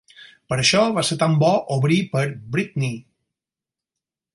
Per això va ser tan bo obrir per Britney.